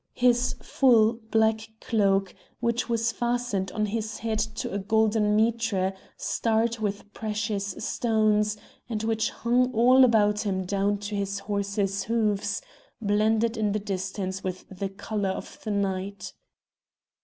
His full, black cloak, which was fastened on his head to a golden mitre starred with precious stones, and which hung all about him down to his horse's hoofs, blended in the distance with the colour of the night.